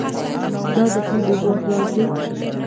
دا د هند د ځواک راز دی.